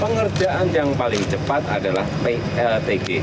pengerjaan yang paling cepat adalah pltg